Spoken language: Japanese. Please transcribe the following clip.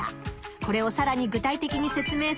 これをさらに具体的に説明すると。